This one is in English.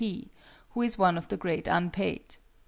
P.,' who is one of the great unpaid.